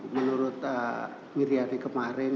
menurut miriani kemarin